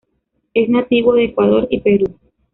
Es nativo de Ecuador y Perú.